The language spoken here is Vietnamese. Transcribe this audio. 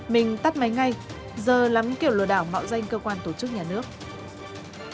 mình tắt máy ngay giờ lắm kiểu lừa đảo mạo danh cơ quan tổ chức nhà nước